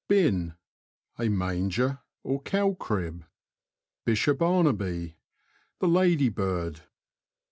Bin. — A manger, or cow crib. Bish A Barnabee. — The ladybird.